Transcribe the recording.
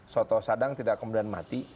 soto sadang tidak kemudian mati